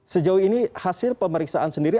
sejauh ini hasil pemeriksaan sendiri